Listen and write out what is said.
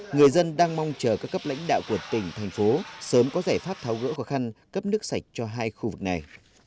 người dân đang mong chờ các cấp lãnh đạo của tỉnh thành phố sớm có giải pháp tháo gỡ khó khăn cấp nước sạch cho hai khu vực này